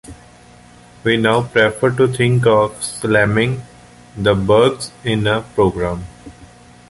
We now prefer to think of 'slamming' the bugs in a program.